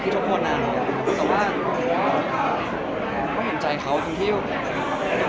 เขาคงไม่อยากได้รับคำประจายจากกับพี่เขา